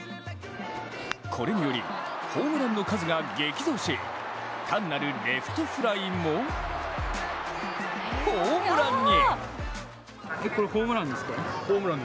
これによりホームランの数が激増し、単なるレフトフライもホームランに。